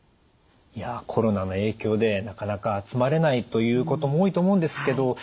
いやコロナの影響でなかなか集まれないということも多いと思うんですけど